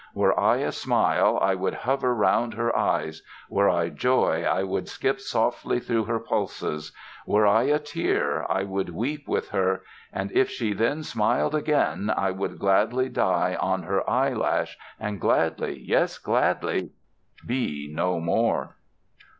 Were I a smile, I would hover round her eyes; were I joy, I would skip softly through her pulses; were I a tear I would weep with her; and if she then smiled again, I would gladly die on her eyelash and gladly—yes, gladly—be no more".